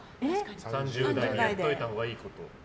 ３０代でやっておいたほうがいいこと。